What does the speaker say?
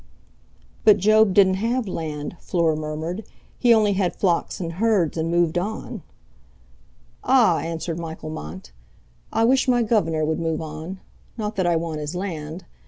"But Job didn't have land," Fleur murmured; "he only had flocks and herds and moved on." "Ah!" answered Michael Mont, "I wish my gov'nor would move on. Not that I want his land.